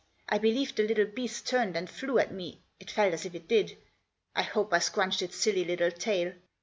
I believe the little beast turned and flew at me, it felt as if it did. I hope I scrunched its silly little tail.